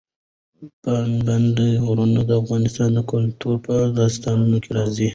پابندی غرونه د افغان کلتور په داستانونو کې راځي.